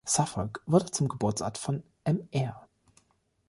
Suffolk wurde zum Geburtsort von "Mr.